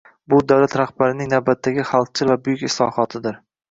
Bu – davlat rahbarining navbatdagi xalqchil va buyuk islohotidir.